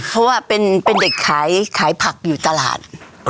เพราะว่าเป็นเด็กขายผักอยู่ตลาด